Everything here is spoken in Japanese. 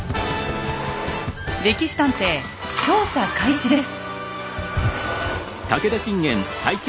「歴史探偵」調査開始です。